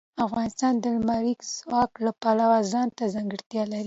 افغانستان د لمریز ځواک د پلوه ځانته ځانګړتیا لري.